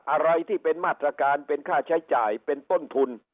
อะไรที่เป็นมาตรการเป็นค่าใช้จ่ายเป็นต้นทุน